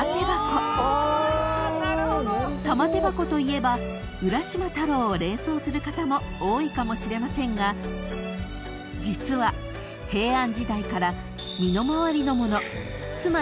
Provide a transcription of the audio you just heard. ［玉手箱といえば『浦島太郎』を連想する方も多いかもしれませんが実は平安時代から身の回りのものつまり］